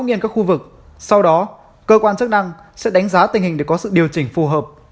nghiêm các khu vực sau đó cơ quan chức năng sẽ đánh giá tình hình để có sự điều chỉnh phù hợp